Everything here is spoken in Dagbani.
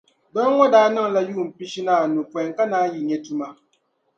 Doo ŋɔ daa niŋla yuun' pishi ni anu pɔi ka naan yi nyɛ tuma.